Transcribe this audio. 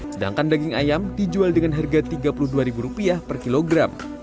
sedangkan daging ayam dijual dengan harga rp tiga puluh dua per kilogram